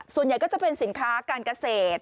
ส่วนใหญ่ก็จะเป็นสินค้าการเกษตร